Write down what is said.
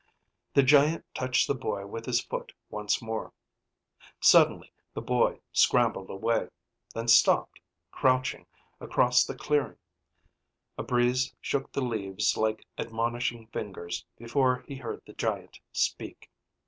The giant touched the boy with his foot once more. Suddenly the boy scrambled away, then stopped, crouching, across the clearing. A breeze shook the leaves like admonishing fingers before he heard the giant speak.